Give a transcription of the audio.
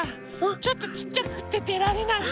ちょっとちっちゃくってでられないの。